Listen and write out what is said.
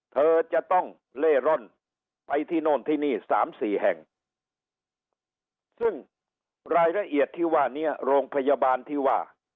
เธอจะต้องเล่ร่อนไปที่โน่นที่นี่สามสี่แห่งซึ่งรายละเอียดที่ว่านี้โรงพยาบาลที่ว่า